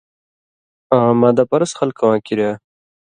آں مادہ پرست خلکہ واں کریا